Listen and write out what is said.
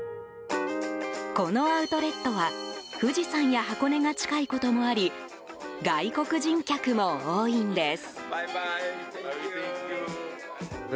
このアウトレットは富士山や箱根が近いこともあり外国人客も多いんです。